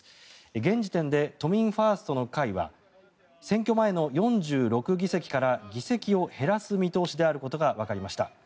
現時点で、都民ファーストの会は選挙前の４６議席から議席を減らす見通しであることがわかりました。